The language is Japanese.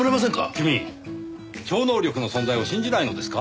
君超能力の存在を信じないのですか？